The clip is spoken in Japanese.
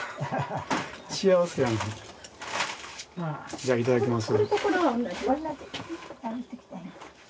じゃあいただきます。